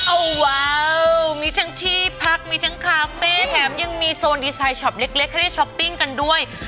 เอาว้าวมีทั้งที่พักมีทั้งคาเฟ่แถมยังมีโซนดีไซน์ช็อปเล็กให้ได้ช้อปปิ้งกันด้วย